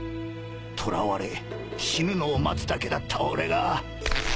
とらわれ死ぬのを待つだけだった俺がここまで来られた。